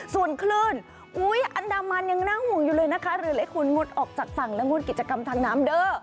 ส่วนคลื่นอุ๊ยอันดามันยังน่าห่วงอยู่เลยนะคะหรือหลายคนงดออกจากฝั่งและงดกิจกรรมทางน้ำเด้อ